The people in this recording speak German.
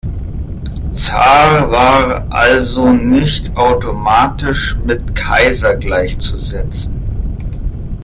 Zar war also nicht automatisch mit Kaiser gleichzusetzen.